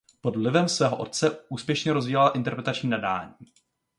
Pod vlivem svého otce úspěšně rozvíjela interpretační nadání.